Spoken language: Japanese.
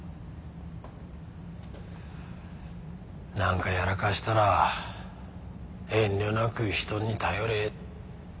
なんかやらかしたら遠慮なく人に頼れ。